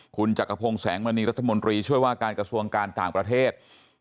คุณจักรพงศ์แสงมณีรัฐมนตรีช่วยว่าการกระทรวงการต่างประเทศ